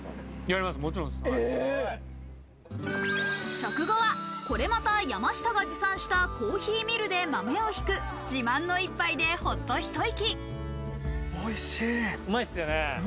食後は、これまた山下が持参したコーヒーミルで豆を挽く、自慢の一杯で、ほっとひと息。